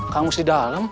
kang mus di dalam